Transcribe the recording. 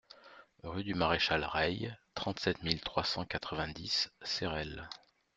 Rue du Maréchal Reille, trente-sept mille trois cent quatre-vingt-dix Cerelles